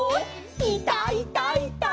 いたいたいた！」